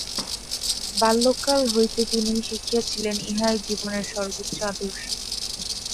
বাল্যকাল হইতে তিনি শিখিয়াছিলেন, ইহাই জীবনের সর্ব্বোচ্চ আদর্শ।